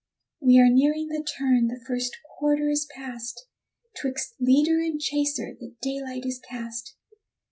We are nearing the turn, the first quarter is past 'Twixt leader and chaser the daylight is cast.